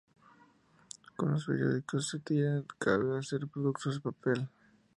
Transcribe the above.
Con los periódicos que se tiran cabe hacer productos de papel.